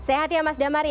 sehat ya mas damar ya